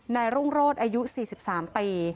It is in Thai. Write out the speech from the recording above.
นายร่วงรอดอายุ๔๓ปี